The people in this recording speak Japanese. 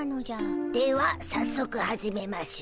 ではさっそく始めましゅ。